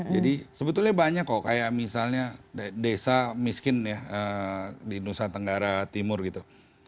jadi sebetulnya banyak kok kayak misalnya desa miskin ya di nusa tenggara timur gitu